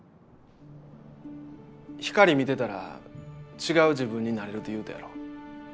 光見てたら違う自分になれるって言うたやろ。